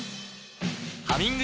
「ハミング」